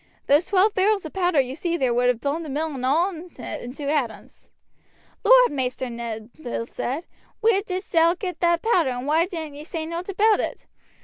Those twelve barrels of powder you see there would have blown the mill and all in it into atoms." "Lord, Maister Ned," Bill said, "where didst thou get that powder, and why didn't ye say nowt about it?